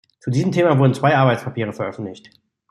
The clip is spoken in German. Zu diesem Thema wurden zwei Arbeitspapiere veröffentlicht.